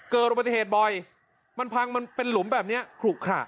เกิดอุบัติเหตุบ่อยมันพังมันเป็นหลุมแบบนี้ขลุขระ